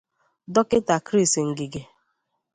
Dọkịta Chris Ngige